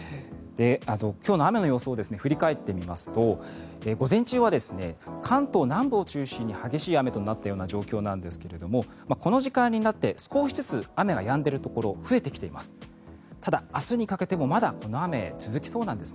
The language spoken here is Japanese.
今日の雨の様子を振り返ってみますと午前中は関東南部を中心に激しい雨となったような状況なんですけれどもこの時間になって少しずつ雨がやんでいるところ増えてきています。